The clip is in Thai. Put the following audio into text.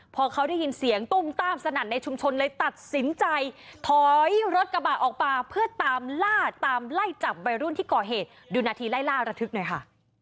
พอเขาได้ยินเสียงตุ้มต้ามสนั่นในชุมชนเลยตัดสินใจถอยรถกระบะออกมาเพื่อตามล่าตามไล่จับวัยรุ่นที่ก่อเหตุดูนาทีไล่ล่าระทึกหน่อยค่ะ